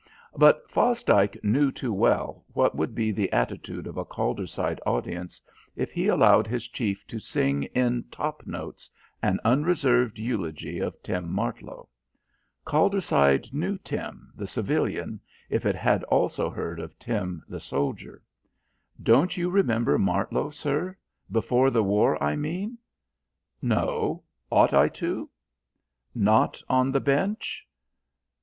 But Fosdike knew too well what would be the attitude of a Calderside audience if he allowed his chief to sing in top notes an unreserved eulogy of Tim Martlow. Calderside knew Tim, the civilian, if it had also heard of Tim, the soldier. "Don't you remember Martlow, sir? Before the war, I mean." "No. Ought I to?" "Not on the bench?"